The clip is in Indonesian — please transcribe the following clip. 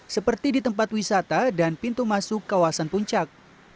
seperti di tempat wisata dan pintu masuk kawasan puncak